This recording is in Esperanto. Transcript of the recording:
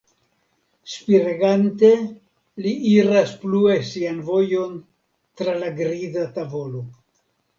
Spiregante li iras plue sian vojon tra la griza tavolo.